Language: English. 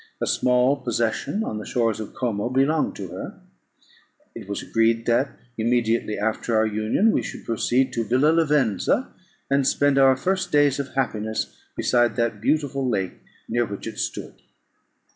A small possession on the shores of Como belonged to her. It was agreed that, immediately after our union, we should proceed to Villa Lavenza, and spend our first days of happiness beside the beautiful lake near which it stood.